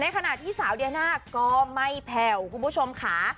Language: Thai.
ขณะที่สาวเดียน่าก็ไม่แผ่วคุณผู้ชมค่ะ